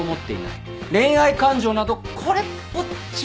恋愛感情などこれっぽっちもないと？